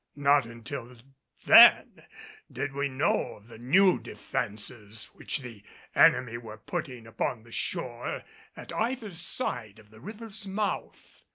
Not until then did we know of the new defenses which the enemy were putting upon the shore at either side of the river's mouth.